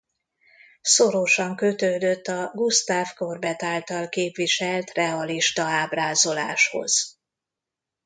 Szorosan kötődött a Gustave Courbet által képviselt realista ábrázoláshoz.